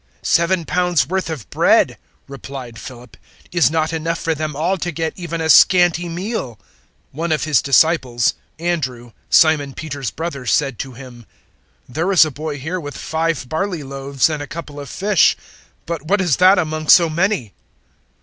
006:007 "Seven pounds' worth of bread," replied Philip, "is not enough for them all to get even a scanty meal." 006:008 One of His disciples, Andrew, Simon Peter's brother, said to Him, 006:009 "There is a boy here with five barley loaves and a couple of fish: but what is that among so many?"